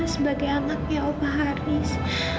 sebagai anaknya opa haris